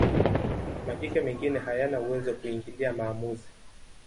majike mengine hayana uwezo wa kuingilia maamuzi